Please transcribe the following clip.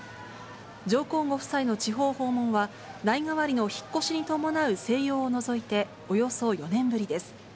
上皇ご夫妻の地方訪問は、代替わりの引っ越しに伴う静養を除いて、およそ４年ぶりです。